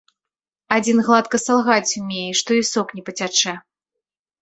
Адзін гладка салгаць умее, што і сок не пацячэ.